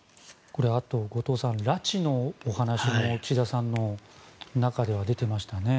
これはあと後藤さん拉致のお話も岸田さんの中では出ていましたね。